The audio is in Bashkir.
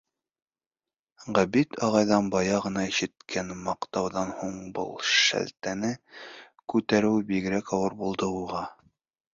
Ғәбит ағайҙан бая ғына ишеткән маҡтауҙан һуң был шелтәне күтәреүе бигерәк ауыр булды уға.